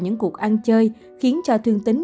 những cuộc ăn chơi khiến cho thương tính